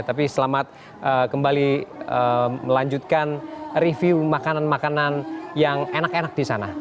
tapi selamat kembali melanjutkan review makanan makanan yang enak enak di sana